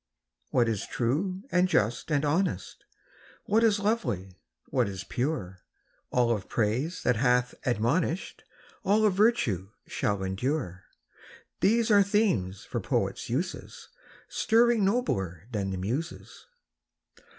What is true and just and honest, What is lovely, what is pure, — All of praise that hath admonish'd, All of virtue, shall endure, — These are themes for poets' uses, Stirring nobler than the Muses.